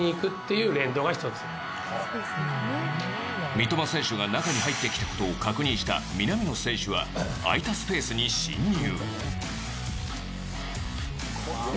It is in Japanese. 三笘選手が中に入ってきたことを確認した南野選手は空いたスペースに進入。